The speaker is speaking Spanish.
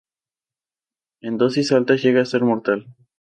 En dosis altas llega a ser mortal.